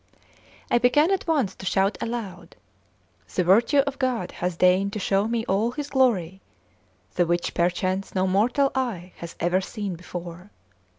I began at once to shout aloud: "The virtue of God hath deigned to show me all His glory, the which perchance no mortal eye hath ever seen before.